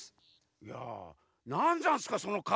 いやなんざんすか？